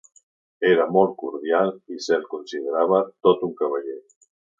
Era molt cordial i se'l considerava tot un cavaller.